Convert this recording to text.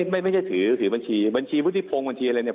ไม่ใช่เชื่อถือบัญชีบัญชีพุทธิพงศ์บัญชีอะไร